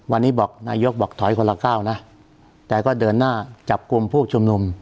วันนี้บอกนายกบอกถอยคนละก้าวนะแต่ก็เดินหน้าจับกลุ่มผู้ชุมนุม